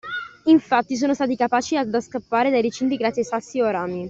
Infatti sono stati capaci ad scappare dai recinti grazie a sassi o a rami.